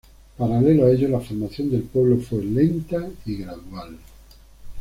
Paralelo a ello la formación del pueblo fue lenta y gradual.